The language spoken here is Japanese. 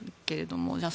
もじゃあ